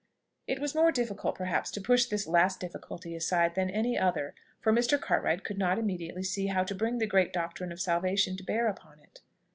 It was more difficult perhaps to push this last difficulty aside than any other; for Mr. Cartwright could not immediately see how to bring the great doctrine of salvation to bear upon it.